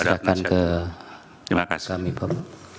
silakan ke kami bapak